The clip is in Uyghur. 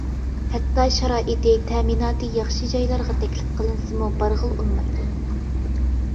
ھەتتا شارائىتى، تەمىناتى ياخشى جايلارغا تەكلىپ قىلىنسىمۇ بارغىلى ئۇنىمايدۇ.